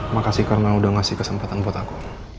makasih karena udah ngasih kesempatan buat aku